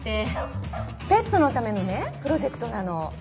ペットのためのねプロジェクトなの。